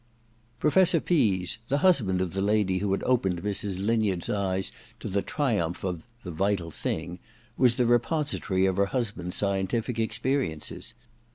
Professor Pease, the husband of the lady who had opened Mrs. linyard's eyes to the triumph of *The Vital Thing,' was the repository of her husband's scientific experiences.